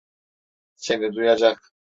Seni duyacak.